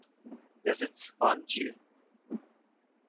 Der Sitz war in Kiel.